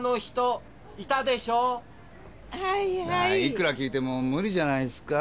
いくら訊いても無理じゃないすか。